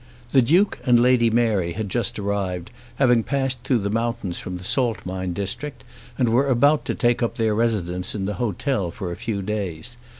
The Duke and Lady Mary had just arrived, having passed through the mountains from the salt mine district, and were about to take up their residence in the hotel for a few days.